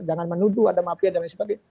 jangan menuduh ada mafia dan lain sebagainya